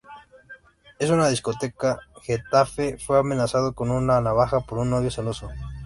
En una discoteca de Getafe fue amenazado con una navaja por un novio celoso.